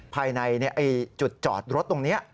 ภายในจุดจอดรถตรงนี้